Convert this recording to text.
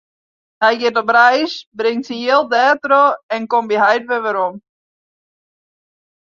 Hy giet op reis, bringt syn jild dertroch en komt by heit werom.